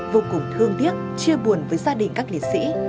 vô cùng thương tiếc chia buồn với gia đình các liệt sĩ